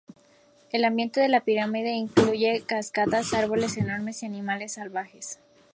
El ambiente de la pirámide incluye cascadas, árboles enormes, y animales salvajes.